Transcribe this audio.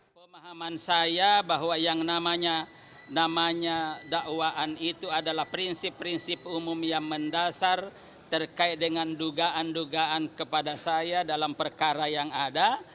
pemahaman saya bahwa yang namanya dakwaan itu adalah prinsip prinsip umum yang mendasar terkait dengan dugaan dugaan kepada saya dalam perkara yang ada